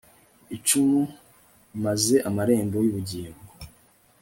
icumu maze amarembo y'ubugingo